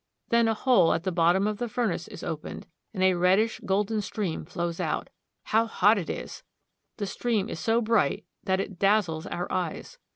Then a hole at the bottom of the furnace is opened, and a reddish golden stream flows out. How hot it is! The stream is so bright that it dazzles our eyes.